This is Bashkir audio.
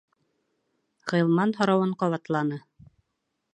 Ғилман һорауын ҡабатланы: